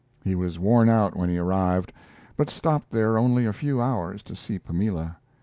He was worn out when he arrived, but stopped there only a few hours to see Pamela.